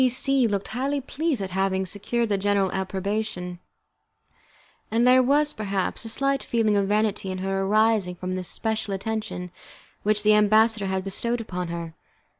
C C looked highly pleased at having secured the general approbation, and there was, perhaps, a slight feeling of vanity in her arising from the special attention which the ambassador had bestowed on her.